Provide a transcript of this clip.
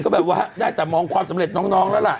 ก็แบบว่าได้แต่มองความสำเร็จน้องแล้วล่ะ